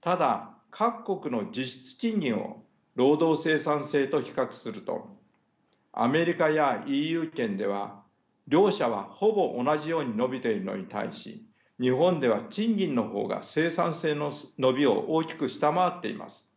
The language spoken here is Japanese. ただ各国の実質賃金を労働生産性と比較するとアメリカやＥＵ圏では両者はほぼ同じように伸びているのに対し日本では賃金の方が生産性の伸びを大きく下回っています。